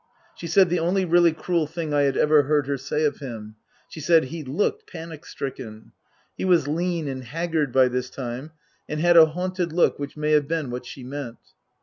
She said the only really cruel thing I had ever heard her say of him. She said he looked panic stricken. (He was lean and haggard by this time, and had a haunted look which may have been what she meant.)